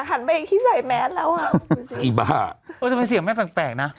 หันไปเองที่ใส่แมสแล้วอ่ะอีบ้าเออทำไมเสียงแม่แปลกแปลกนะ